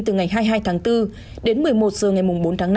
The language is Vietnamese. từ ngày hai mươi hai tháng bốn đến một mươi một h ngày bốn tháng năm